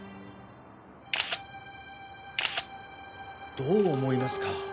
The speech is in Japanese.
どう思いますか？